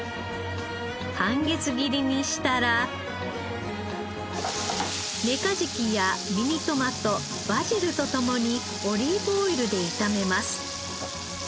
半月切りにしたらメカジキやミニトマトバジルとともにオリーブオイルで炒めます。